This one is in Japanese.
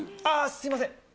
ああーすみません。